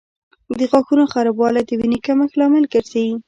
د غاښونو خرابوالی د وینې کمښت لامل ګرځي.